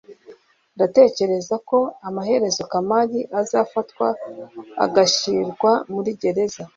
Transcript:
ndatekereza ko amaherezo kamali azafatwa agashyirwa muri gereza